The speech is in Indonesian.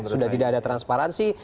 sudah tidak ada transparansi